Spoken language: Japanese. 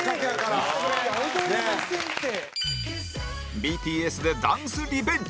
ＢＴＳでダンスリベンジ